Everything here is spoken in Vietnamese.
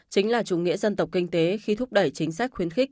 chính là chủ nghĩa dân tộc kinh tế khi thúc đẩy chính sách khuyến khích